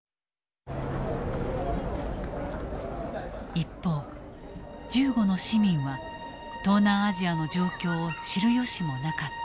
一方銃後の市民は東南アジアの状況を知る由もなかった。